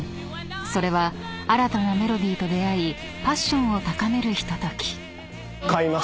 ［それは新たなメロディーと出合いパッションを高めるひととき］買います